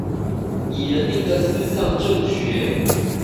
以人民的四項政權